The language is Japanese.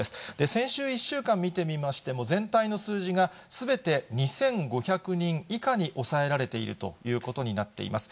先週１週間見てみましても、全体の数字がすべて２５００人以下に抑えられているということになっています。